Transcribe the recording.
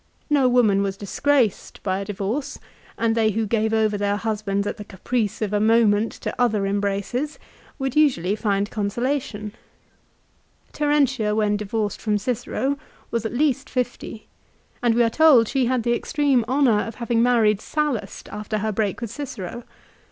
No woman was disgraced by a divorce, and they who gave over their husbands at the caprice of a moment to other embraces, would usually find consolation. Terentia when divorced from Cicero was at least fifty, and we are told she had the extreme honour of having married Sallust after her break with Cicero.